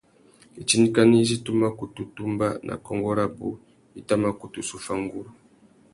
Itindikana izí tu mà kutu tumba nà kônkô rabú i tà mà kutu zu fá nguru.